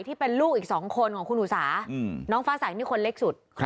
ที่เป็นลูกอีก๒คนของคุณอุสาน้องฟ้าใสนี่คนเล็กสุด